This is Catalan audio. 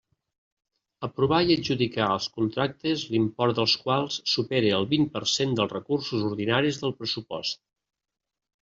Aprovar i adjudicar els contractes l'import dels quals superi el vint per cent dels recursos ordinaris del pressupost.